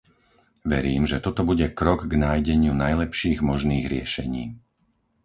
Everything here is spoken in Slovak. Verím, že toto bude krok k nájdeniu najlepších možných riešení.